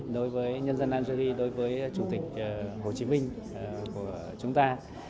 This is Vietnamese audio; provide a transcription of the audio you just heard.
đối với nhân dân algerie đối với chủ tịch hồ chí minh của chúng ta